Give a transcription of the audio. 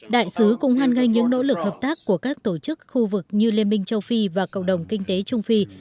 đại sứ cũng hoan nghênh những nỗ lực hợp tác của các tổ chức khu vực như liên minh châu phi và cộng đồng kinh tế trung phi